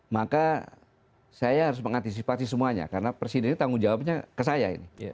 maka saya harus mengantisipasi semuanya karena presiden ini tanggung jawabnya ke saya ini